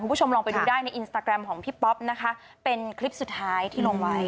คุณผู้ชมลองไปดูได้ในอินสตาแกรมของพี่ป๊อปนะคะเป็นคลิปสุดท้ายที่ลงไว้